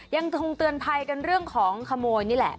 ยังคงเตือนภัยกันเรื่องของขโมยนี่แหละ